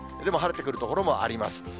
でも晴れてくる所もあります。